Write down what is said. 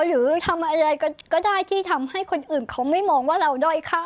หรือทำอะไรก็ได้ที่ทำให้คนอื่นเขาไม่มองว่าเราด้อยค่า